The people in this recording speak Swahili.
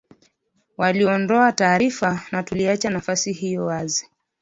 Waliondoa taarifa na tuliacha nafasi hiyo wazi